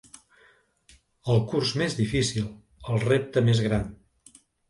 El curs més difícil; el repte més gran.